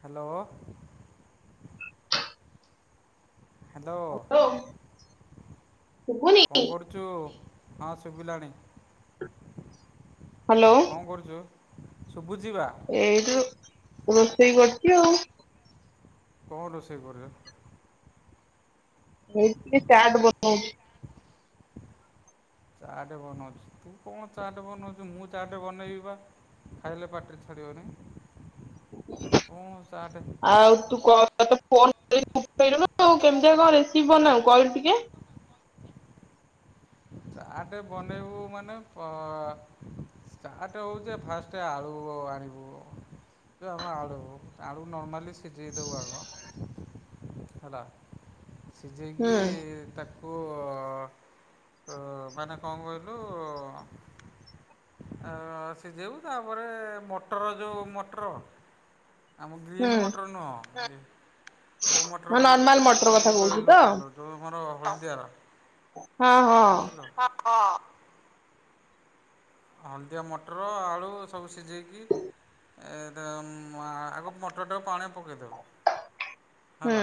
Hello. Hello. Hello ଶୁଭୁନି? କଣ କରୁଚୁ? ହଁ ଶୁଭିଲାଣି। ହ୍ୟାଲୋ। କଣ କରୁଚୁ? ଶୁଭୁଚି ବା। ଏଇଠୁ ରୋଷେଇ କରୁଚି ଆଉ। କଣ ରୋଷେଇ କରୁଚୁ? ଏଠି ଚାଟ ବନଉଚି। ଚାଟେ ବନଉଚି। ତୁ କଣ ଚାଟେ ବନଉଚୁ ମୁଁ ଚାଟେ ବନେଇବି ବା ଖାଇଲେ ପାଟି ରୁ ଛାଡିବନି। ଆଉ ତୁ। [unintelligible] ହଉ କେମିତିଆ କଣ ରେସିପି ବନାଉ କହିଲୁ ଟିକେ। ଚାଟେ ବନେଇବୁ ମାନେ ପ ଚାଟ୍ ହଉଛି ଫାଷ୍ଟ ଆଳୁ ଆଣିବୁ। ଆଳୁ ଆଳୁ ନର୍ମାଲି ସିଝେଇ ଦେବୁ ଆଗ। ହେଲା। ହୁଁ ସିଝେଇକି ତାକୁ ଅ ମାନେ କଣ କହିଲୁ ଆ ସିଝେଇବୁ ତାପରେ ମଟର ଯୋଉ ମଟର ଆମ ଗ୍ରୀନ୍ ହୁଁ ମଟର ନୁହଁ। କୋଉ ମଟର ହଁ କହିଲୁ ନର୍ମାଲ ମଟର କଥା ୟେଲୋ କହୁଛୁ ୟେଲୋ ତ? କଲର ଯୋଉ ଆମର ହଳଦିଆ ର। ହଁ। ହଁ ବୁଝିଲ। [unintelligible] ହଳଦିଆ ମଟର ଆଳୁ ସବୁ ସିଝେଇକି ଏ ତ ଆଗ ମଟରଟାକୁ ପାଣି ପକେଇ ଦେବୁ। ହୁଁ।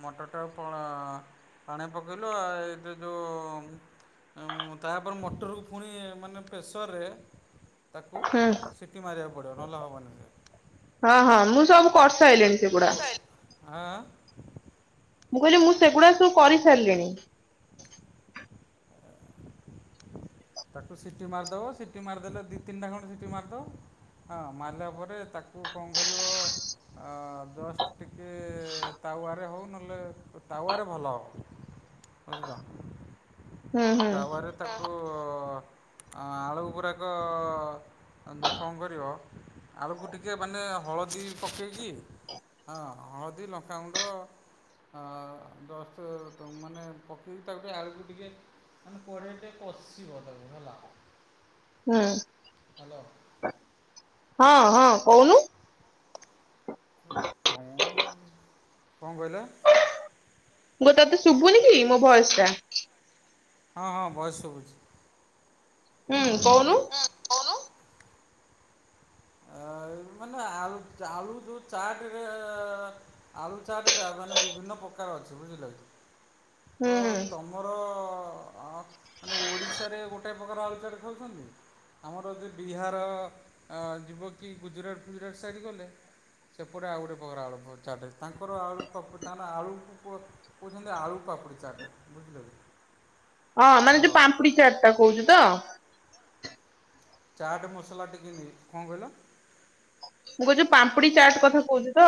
ମଟରଟା ପଣ ପାଣି ପକେଇଲୁ ଆଉ ଏ ତେ ଯୋଉ ତାପରେ ମଟରକୁ ପୁଣି ମାନେ ପ୍ରେସରରେ ତାକୁ ହୁଁ ସିଟି ମାରିବାକୁ ପଡ଼ିବ ନଲେ ହବନି ସେ। ହଁ ହଁ ମୁଁ ସବୁ କରିସାଇଲିଣି ସେଗୁଡା। ଆଁ ମୁଁ କହିଲି ମୁଁ ସେଗୁଡା ସବୁ କରିସାରିଲିଣି। [inaudible] ତାକୁ ସିଟି ମାରିଦବ ସିଟି ମାରିଦେଲେ ଦି ତିନିଟା ଖଣ୍ଡେ ସିଟି ମାରିଦବ। ହଁ ମାରିଲା ପରେ ତାକୁ କଣ କରିବ ଆଁ ଜଷ୍ଟ ଟିକେ ତାୱାରେ ହଉ ନହେଲେ ତାୱାରେ ଭଲ ହବ। ବୁଝିଲ। ହୁଁ ହୁଁ ତାପରେ ତାକୁ ଆଳୁ ଗୁରାକ କଣ କରିବ ଆଳୁକୁ ଟିକେ ମାନେ ହଳଦୀ ପକେଇକି ହଁ ହଳଦୀ ଲଙ୍କାଗୁଣ୍ଡ ଆ ଜଷ୍ଟ ତ ମାନେ ପକେଇକି ତାକୁ ଟିକେ ଆଳୁକୁ ଟିକେ ମାନେ କଡ଼େଇ ରେ ଟିକେ କସିବ ତାକୁ ହେଲା। ହ୍ୟାଲୋ ହୁଁ। ହଁ ହଁ କହୁନୁ। କଣ କଣ କହିଲ? ବୋଉ ତତେ ଶୁଭୁନି କି ମୋ ଭୟସ ଟା। ହଁ ହଁ ଭଏସ ଶୁଭୁଛି। ହୁଁ କହୁନୁ। ହୁଁ ଆଉ ମାନେ ଆ-ଆଳୁ ଯୋଉ ଚାଟରେ ଏଁ ଆଳୁ ଚାଟଟା ମାନେ ବିଭିନ୍ନ ପ୍ରକାର ଅଛି ବୁଝିଲ କି? ହୁଁ ତ ହୁଁ ତମର ଅ ମାନେ ଓଡ଼ିଶାରେ ଗୋଟେ ପ୍ରକାର ଆଳୁ ଚାଟ ଖାଉଛନ୍ତି ଆମର ଯେଉ ବିହାର ଅ ଯିବ କି ଗୁଜୁରାଟ ଫୁଜୁରାଟ ସାଇଡ଼୍ ଗଲେ। ସେପଟେ ଆଉ ଗୋଟେ ପ୍ରକାରର ଆଳୁ ଚାଟ ତାଙ୍କର ଆଳୁ ତାଙ୍କ ଆଳୁକୁ ପ କହୁଛନ୍ତି ଆଳୁ ପାପୁଡ଼ି ଚାଟେ ବୁଝିଲ କି? ହଁ ମାନେ ଯୋଉ ହ୍ୟାଲୋ ପାମ୍ପୁଡି ଚାଟ ଟା କହୁଛୁ ତ। ଚାଟ୍ ମସଲା ଟିକେ ନେଇ କଣ କହିଲ? ମୁଁ କହୁଛୁ ପାମ୍ପୁଡି ଚାଟ୍ କଥା କହୁଛି ତ।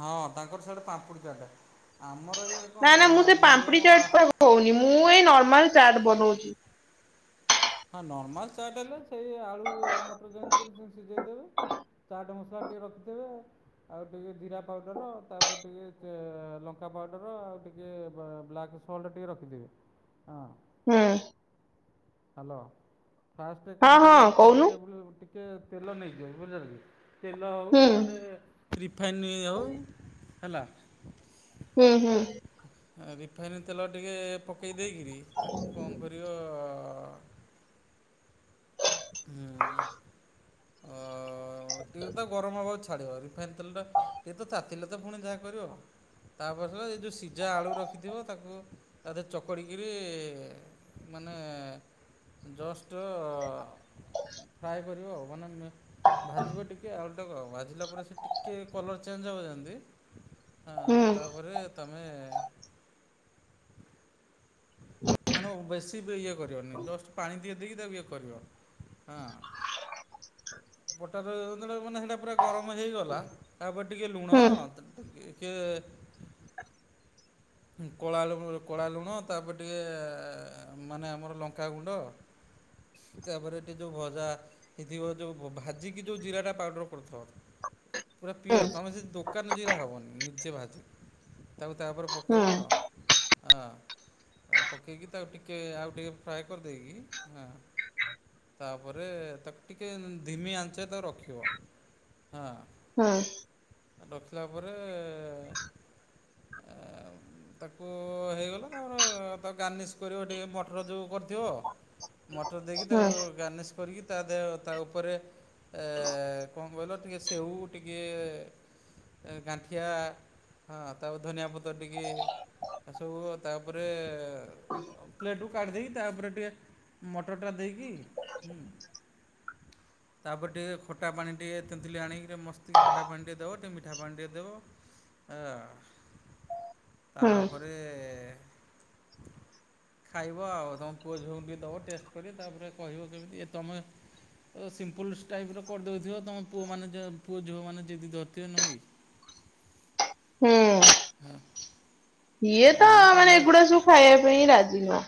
ହଁ ତାଙ୍କର ସିଆଡେ ପାମ୍ପୁଡ଼ି ଚାଟ ଆମର ଇଏ କୁହନ୍ତି ମିଡ଼ିୟମ ହଉନି ମୁଁ ଏଇ ନର୍ମାଲ ଚାଟ ବନଉଚି। ହଁ ନର୍ମାଲ ଚାଟ୍ ହେଲେ ସେଇ ଆଳୁ ମଟର ଯେମିତି କରି ସେ ସିଝେଇ ଦେବେ। ଚାଟ ମସଲା ଟିକେ ରଖିଥିବେ ଆଉ ଟିକେ ଜିରା ପାଉଡର ତାପରେ ଟିକେ ଚେ ଲଙ୍କା ପାଉଡର ଆଉ ଟିକେ ବା -ବ୍ଲାକ୍ ସଲ୍ଟ ଟିକେ ରଖିଥିବେ ହଁ ହୁଁ। ହ୍ୟାଲୋ ଫାଷ୍ଟରେ ହଁ କଣ କରିବ ହଁ ଚାରି କହୁନୁ ଟେବୁଲ ଟିକେ ତେଲ ନେଇଯିଅ ବୁଝିପାରିଲ କି? ତେଲ ହେଉ ହୁଁ ନହେଲେ ରିଫାଇନ୍ ହେଉ ହେଲା। ହୁଁ ହୁଁ ରିଫାଇନ୍ ତେଲ ଟିକେ ପକାଇ ଦେଇକରି ତାକୁ କଣ କରିବ। ହୁଁ ଅ ହଁ ଟିକି ତା ଗରମ ହେବା ଛାଡ଼ିବ ରିଫାଇନ୍ ତେଲଟା ଟିକେ ତ ତାତିଲେ ତ ପୁଣି ଯାହା କରିବ ଆଉ ତାପର ଦିନ ଏ ଯେଉଁ ସିଝା ଆଳୁ ରଖିଥିବ ତାକୁ ତା ଦେହରେ ଚକଡ଼ିକରି ମାନେ ଜଷ୍ଟ ଫ୍ରାଏ କରିବ ଆଉ ମନେ ମୀ ଭାଜିବ ଟିକେ ଅଲୁଟାକୁ ଆଉ ଭାଜିଲା ପରେ ସେ ଟିକିଏ କଲର୍ ଚେଞ୍ଜ ହେବ ଯେମନ୍ତି। ହଁ ହୁଁ ତାପରେ ତମେ ମାନେ ବେଶୀ ବି ଇଏ କରିବନି ଜଷ୍ଟ ପାଣି ଟଏ ଦେଇକି ତାକୁ ଇଏ କରିବ ହଁ [inaudible] ପଟାର ଯେ ମାନେ ସେଟା ପୁରା ଗରମ ହେଇଗଲା ତାପରେ ଟିକେ ଲୁଣ ହୁଁ ଟିକେ କି ହୁଁ କଳା ଲୁଣ କଳା ଲୁଣ ତାପରେ ଟିକେ ମାନେ ଆମର ଲଙ୍କାଗୁଣ୍ଡ। ତାପରେ ଏଠି ଯେଉଁ ଭଜା ସେଥି ଯେଉଁ ଭାଜିକି ଯେଉଁ ଜିରାଟା ପାଉଡ଼ର କରିଥାଉ। ପୁରା ହୁଁ ପିଓର୍ ତୁମେ ସେ ଦୋକାନ ଦଇା ହେବନି ନିଜେ ଭାଜି ତାକୁ ତାପରେ ହୁଁ ପକାଇବ ଆ ହଁ ତା ପକେଇକି ତାକୁ ଟିକେ ଆଉ ଟିକେ ଫ୍ରାଏ କରିଦେଇକି ହଁ ତାପରେ ତାକୁ ଟିକେ ଧିମି ଆଞ୍ଚ ତାକୁ ରଖିବ ହଁ ହଁ ରଖିଲା ପରେ ଅ ତାକୁ ହେଇଗଲା ତାପରେ ତା ଗାର୍ନିସ୍ କରିବ ଟିକେ ମଟର ଯେଉଁ କରିଥିବ ମଟର ଦେଇକି ହୁଁ ତାକୁ ଗାର୍ନିସ୍ କରିକି ତା ଦେହ ତା ଉପରେ ଏ କଣ କହିଲ ଟିକେ ସ ସେଉ ଟିକିଏ ଗାଣ୍ଡିଆ ହଁ ତାପ ଧନିଆ ପତ୍ର ଟିକେ ଆ ସବୁ ତାପରେ ପ୍ଲେଟ କୁ କାଢି ଦେଇକି ତା ଉପରେ ଟିକେ ମଟର ଟା ଦେଇକି, ହୁଁ ତାପରେ ଟିକି ଖଟା ପାଣି ଟିକେଏ, ତେନ୍ତୁଳି ଆଣିକି ମସ୍ତି ଖଟା ପାଣି ଟିକେ ଦେବ ଟିକେ ମିଠା ପାଣି ଟିକଏ ଦେବ ଆ। ହୁଁ ତାପରେ ଖାଇବ ଆଉ ତମ ପୁଅ ଝିଅଙ୍କୁ ଟିକେ ଦବ ଟେଷ୍ଟ କରି ତାପରେ କହିବ କେମିତି ତମେ ତ ସିମ୍ପଲ୍ ଟାଇପ୍ର କରିଦେଉଥିବ, ତୁମ ପୁଅମାନେ ପୁଅ ଝିଅମାନେ ଜିଦି ଧରିଥିବେ ନଁ କି? ହୁଁ ହଁ ଇଏ ଆଉ ତ ମୁଁ ମାନେ କଲେ ଏଗୁଡା ସବୁ ଖାଇବା ପାଇଁ ରାଜି ନୁହଁ।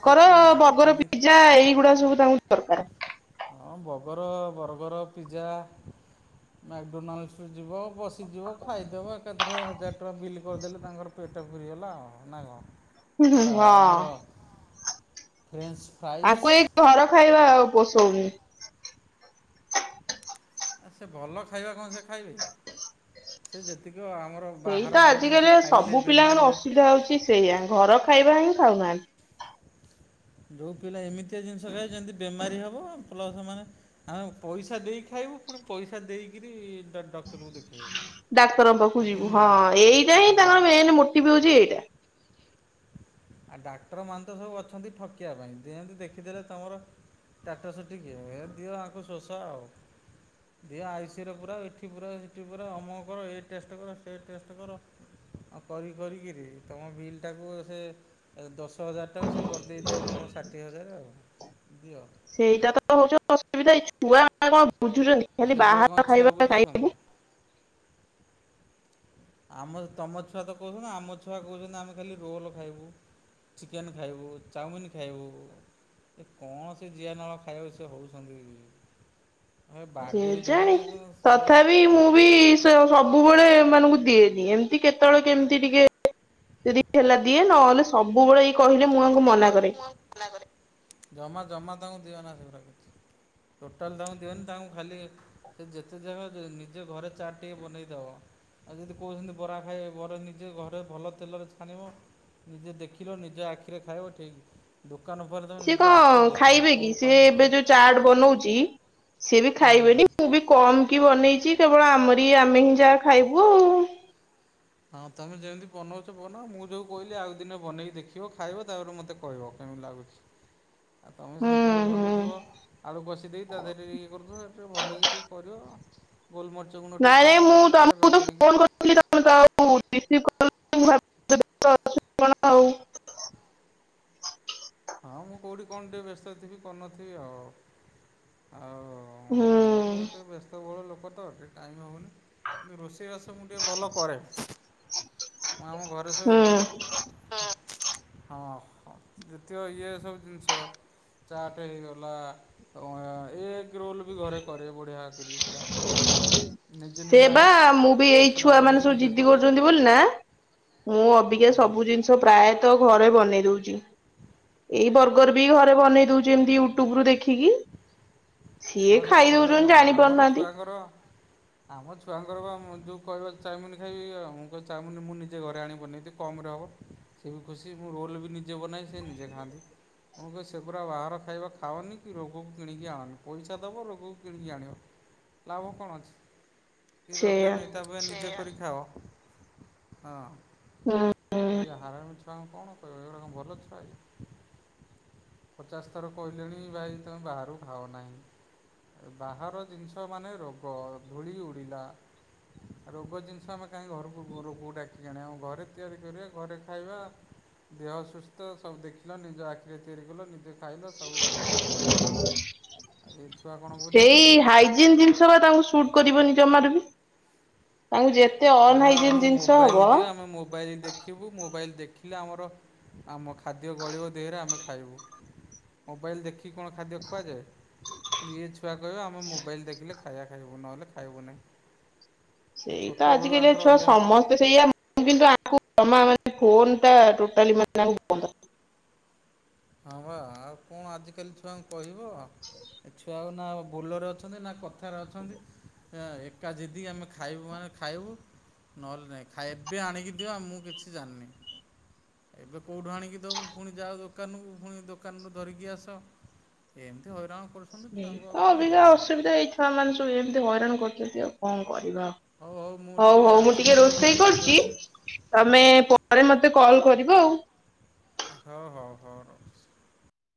ସିଏ କଣ ଖାଇବେ ବର୍ଗର ଖାଲି ପିଜା ଏଇଗୁଡା ସବୁ ତାଙ୍କୁ ଦରକାର। ହଁ ବଗର ବର୍ଗର ପିଜା ମ୍ୟାକ୍ଡୋନାଲ୍ଡୁ ଯିବ ବସିଯିବ ଖାଇଦବ ଏକାଥରେ ହଜାର ଟଙ୍କା ବିଲ୍ କରିଦେଲେ ତାଙ୍କର ପେଟ ଫୁରିଗଲା ନା କଣ ହୁଁ ହୁଁ ବା ହଁ ଆମର ଫ୍ରେନ୍ସ ଆକୁ ଏଇ ଘର ଖାଇବା ଆଉ ପୋଷଉନି। ଆ ସେ ଭଲ ଖାଇବା କଣ ସେ ଖାଇବେ, ସେ ଯେତିକି ଆମର ସେଇ ବାହାର ତା ଯେଉଁ ଜିନିଷ ଆଜିକାଲି ଖାଇଲେ ସବୁ ବେମାରୀ ପିଲାଙ୍କର ଅସୁବିଧା ହଉଛି ସେଇଆ, ଘର ଖାଇବା ହିଁ ଖାଉନାହାନ୍ତି। ଯୋଉ ପିଲା ଏମିତିଆ ଜିନିଷ ଖାଇଚନ୍ତି ଯେମିତି ବେମାରୀ ହବ ପ୍ଲସ ମାନେ ଆଁ ପଇସା ଦେଇ ଖାଇବୁ ପୁଣି ପଇସା ଦେଇକରି ଡକ୍ଟରଙ୍କୁ ଦେଖେଇବୁ। ଡାକ୍ତରଙ୍କ ପାଖକୁ ଆ ଯିବୁ। ପୁଣି ହଁ ଏଇଟା ହିଁ ହଁ ତାଙ୍କର ମେନ୍ ମୋଟିଭ ହଉଛି ଏଇଟା। ଆଉ ଡାକ୍ତର ମାନେ ତ ସବୁ ଅଛନ୍ତି, ଠକିବା ପାଇଁ ଯେମତି ଦେଖିଦେଲେ ତମର ଟାଟସ ଟିକେ ଏ ଦିଅ ଆକୁ ଶୋଷ ଆଉ ଦିଅ ଆଇସିଉରେ ପୁରାଅ ଏଠି ପୁରାଅ ସେଠି ପୁରା ଅମକ କର ଏ ଟେଷ୍ଟ କର ସେ ଟେଷ୍ଟ କର ଆଉ କରି କରିକିରି ତମ ବିଲ୍ ସେଟାକୁ ସେ ଦଶ ହଜାର ଟାକୁ ସେ କରିଦେଇଥିବେ ତମର ଷାଠିଏ ହଜାର ଆଉ। ଦିଅ। ସେଇଟା ତ ହେଉଛି ଅସୁବିଧା, ଏଇ ଛୁଆ ଗୁଡାକ କଣ ବୁଝୁଛନ୍ତି, ଖାଲି ସେଗୁଡ଼ା କ'ଣ ବାହାର୍ ଛୁଆ ଖାଇବା ବୁଝୁଛନ୍ତି ଖାଇବୁ ଆମ ତମ ଛୁଆ ତ କହୁଛନ୍ତି, ଆମ ଛୁଆ କହୁଛନ୍ତି ଆମେ ଖାଲି ରୋଲ ଖାଇବୁ। ଚିକେନ୍ ଖାଇବୁ ଚାଉମିିନ ଖାଇବୁ କଣ ସେ ଜିଆ ନାଳ ଖାଇବାକୁ ସେ ହେଉଛନ୍ତି। ଏ ବାର୍ଥଡେକୁ କେଜାଣି, ଧରିକି ସେଗୁଡ଼ା ତଥାପି ମୁଁ ବି ତ ସବୁବେଳେ ଏମାନଙ୍କୁ ଦିଏନି ଏମିତି କେତେବେଳେ କେମିତି ଟିକେ ଯଦି ହେଲା ଦିଏ, ନହେଲେ ସବୁବେଳେ ଏଇ କହିଲେ ମୁଁ ଆଙ୍କୁ ମୁଟେ ମନା କର କରେ। ମୁଁ ମନାକରେ ଜମା ଜମା ତାଙ୍କୁ ଦିଅନା ସେଗୁଡ଼ା, ଟୋଟାଲ ତାଙ୍କୁ ଦିଅନି ତାଙ୍କୁ ଖାଲି ସେ ଯେତେ ଜାଗା ନିଜେ ଘରେ ଚାଟ୍ ଟିକେ ବନେଇଦବ, ଆଉ ଯଦି କହୁଛନ୍ତି ବରା ଖାଇବେ ବରା ନିଜେ ଘରେ ଭଲ ତେଲରେ ଛାଣିବ, ନିଜେ ଦେଖିଲ ନିଜେ ଆଖିରେ ଖାଇବ ଠିକ୍। ଦୋକାନ ପରେ ତମେ ସିଏ ନିଜେ କଣ ଆଖିରେ ଦେଖିନ ଖାଇବେକି, କୋଉ ସିଏ ପାଣି ଏବେ କୋଉ ଯୋଉ ଚାଟ୍ ବନଉଚି ସିଏ ବି ହୁଁ। ଖାଇବେନି। ମୁଁ ବି କମ୍ କି ବନେଇଛି, କେବଳ ଆମରି ଆମେ ହିଁ ଯାହା ଖାଇବୁ ଆଉ। ହଁ ତମେ ଯେମିତି ବନଉଛ ବନାଅ। ମୁଁ ଯେଉଁ କହିଲି ଆଉ ଦିନେ ବନେଇକି ଦେଖିବ ଖାଇବ ତାପରେ ମୋତେ କହିବ କେମିତି ଲାଗୁଛି। ଆଉ ତମେ ହୁଁ ସିମ୍ପୁଲ ହୁଁ। ବନେଇଥିବ। ଆଳୁ କଷିଦେଇ ତା ଦେହରେ ଇଏ କରିଥିବା, ଆଉ ଟିକେ ଭଲକି କରିବ। ଗୋଲମରିଚଗୁଣ୍ଡ ଟିକଏ ନାଇଁ ନାଇଁ ପକି ମୁଁ ତାକୁ ଟିକେ ପୁରା ତମକୁ ତ ରଗଡ଼ିକି ଫୋନ କରିଥିଲି ତମେ ତ ଆଉ ରିସିଭ କଲନି ମୁଁ ଭାବିଲି କଣ ଆଉ ହଁ ମୁଁ କୋଉଠି କଣ ବ୍ୟସ୍ଥ ଥିବି କରିନଥିବି ଆଉ। ଆଉ ହୁଁ ମୋର ଏତେ ବ୍ୟସ୍ତ ବୋହଳ ଲୋକ ତ ଟିକେ ଟାଇମ୍ ହେବନି, କିନ୍ତୁ ରୋଷେଇବାସ ମୁଁ ଟିକି ଭଲ କରେ। ମୁଁ ଆମ ଘରେ ହୁଁ ସବୁ, ହଁ ହ ଇଏ ସବୁ ଜିନିଷ ଚାଟ୍ ହେଇଗଲା ଏଗ଼୍ ରୋଲ୍ ବି ଘରେ କରେ ବଢିଆ କିରିି ପୁରା। ନିଜେ ନିଜେ ସିଏ ବା ଆଣି ମୁଁ ବି ଏଇ ମସଲା ଛୁଆମାନେ ବନେଇକି ସବୁ ନିଜେ ଜିଦି କରେ କରୁଛନ୍ତି ବୋଲି ନା ମୁଁ ଅବିକା ହୁଁ ସବୁ ଜିନିଷ ପ୍ରାୟତଃ ଘରେ ବନେଇ ଦଉଛି। ଏଇ ବରଗର୍ ବି ଘରେ ବନେଇ ଦଉଛି ଏମିତି ୟୁଟ୍ୟୁବରୁ ଦେଖିକି। ସିଏ ହଁ ସେଇଟା ଖାଇ ଘରେ ଦଉଛନ୍ତି ବନାଅ। ଜାଣି ଆମର ପାରୁନାହାନ୍ତି ଛୁଆଙ୍କର ଆମ ଛୁଆଙ୍କର ବା ମୁଁ ଯୋଉ କହିବ ଚାଉମିନ ଖାଇବି, ଆ ମୁଁ କହିବି ଚାଉମିନ ମୁଁ ନିଜେ ଘରେ ଆଣକି ବନେଇଦିଏ, କମରେ ହବ। ସିଏ ବି ଖୁସି, ମୁଁ ରୋଲ ବି ନିଜେ ବନାଏ ସିଏ ନିଜେ ଖାଆନ୍ତି। ମୁଁ କହିବି ସେଗୁରା ବାହାର ଖାଇବା ଖାଅନି କି ରୋଗକୁ କିଣିକି ଆଣନି। ପଇସା ଦବ, ରୋଗକୁ କିଣିକି ଆଣିବ। ଲାଭ କଣ ଅଛି? କିଛି ଦରକାର ସେଇଆ ନାହିଁ ତା ଅପେକ୍ଷା ନିଜେ କରି ଖାଅ। ହଁ। ହୁଁ ଏ ଯୋଉ ହାରାମି ଛୁଆଙ୍କୁ କଣ କହିବ, ଏଗୁଡା କଣ ଭଲ ଛୁଆ ହେଇଚନ୍ତି? ପଚାଶ ଥର କହିଲିଣି ଭାଇ ତୁମେ ବାହାରୁ ଖାଅ ନାହିଁ। ବାହାର ଜିନିଷ ମାନେ ରୋଗ, ଧୂଳି ଉଡ଼ିଲା ରୋଗ ଜିନିଷ ଆମେ କାହିଁକି ଘରକୁ ରୋଗକୁ ଡାକିକି ଆଣିବା। ଘରେ ତିଆରି କରିବା ଘରେ ଖାଇବା ଦେହ ସୁସ୍ଥ, ସବୁ ଦେଖିଲ, ନିଜ ଆଖିରେ ତିଆରି କଲ, ନିଜେ ଖାଇଲ, ସବୁ ବଢ଼ିଆ। ଏ ଛୁଆ କଣ ବୁ ସେଇ ହାଇଜିନ୍ ଜିନିଷ ବା ତାଙ୍କୁ ସୁଟ୍ କରିବନି ଜମାରୁ ବି। ତାଙ୍କୁ ଯେତ ସେ କହିବେ ଆମକୁ ମୋବାଇଲ ଦିଅ, ଆମେ ମୋବାଇଲ ଦେଖି ଦେଖିବୁ, ମୋବାଇଲ୍ ଦେଖିଲେ ଆମର ଆମ ଖାଦ୍ୟ ଗଳିବ ଦେହରେ, ଆମେ ଖାଇବୁ। ମୋବାଇଲ ଦେଖିକି କଣ ଖାଦ୍ୟ ଖୁଆଯାଏ? ଇଏ ଛୁଆ କହିବ ଆମେ ମୋବାଇଲ ଦେଖିଲେ ଖାଇବା ଖାଇବୁ, ନହେଲେ ଖାଇବୁ ନାହିଁ। ଏ ସେଇ ତ ଛୋଟବେଳୁ ଆଜିକାଲିଆ ଆଙ୍କର ଛୁଆ ଅଭ୍ୟାସ। ସମସ୍ତେ ସେଇଆ। କିନ୍ତୁ ଆକୁ ଜମା ମାନେ ଫୋନଟା ଟୋଟାଲି ମାନେ ୟାଙ୍କୁ ବନ୍ଦ। ହଁ ବା ଆଉ କଣ ଆଜିକାଲି ଛୁଆଙ୍କୁ କହିବ। ଏ ଛୁଆ ଆଉ ନା ଆମ ବୋଲରେ ଅଛନ୍ତି, ନା କଥାରେ ଅଛନ୍ତି ଆଁ ଏକା ଜିଦି ଆମେ ଖାଇବୁ ମାନେ ଖାଇବୁ ନହେଲେ ନାଇଁ, ଖାଇବା ଏବେ ଆଣିକି ଦିଅ ମୁଁ କିଛି ଜାଣିନି। ଏବେ କୋଉଠୁ ଆଣିକି ଦବୁ, ପୁଣି ଯାଅ ଦୋକାନକୁ, ପୁଣି ଦୋକାନରୁ ଧରିକି ଆସ ଏମତି ହଇରାଣ କରୁଛନ୍ତି ହୁଁ, ଛୁଆଙ୍କୁ ଆଉ କଣ ଅବିକା କହିବା ଅସୁବିଧା ଏଇ ଛୁଆମାନେ ସବୁ ଏମତି ହଇରାଣ କରୁଛନ୍ତି ଆଉ କଣ କରିବା ହଉ ହଉ ମୁଁ ଆଉ। ହଉ ହଉ ମୁଁ ଆସୁଛି ଟିକେ ରୋଷେଇ ମାର୍କେଟରୁ କରୁଚି ଆସି ତମେ ପରେ ମତେ କଲ କରିବ ଆଉ। ହଉ, ହଉ, ହଉ ରହୁଚି।